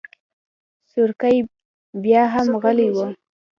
سورکی بياهم غلی و.